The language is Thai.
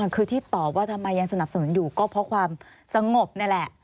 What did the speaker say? คือที่ตอบว่าทำไมยังสนับสนุนอยู่ก็เพราะความสงบนี่แหละ